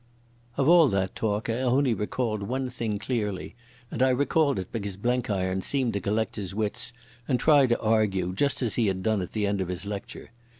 Of all that talk, I only recalled one thing clearly, and I recalled it because Blenkiron seemed to collect his wits and try to argue, just as he had done at the end of his lecture.